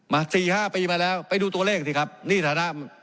๔๕ปีมาแล้วไปดูตัวเลขสิครับนี่ฐานะ